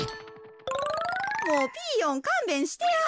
もうピーヨンかんべんしてや。